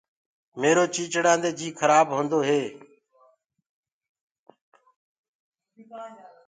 ميرو چيچڙآندي جي کرآب هوندو هي۔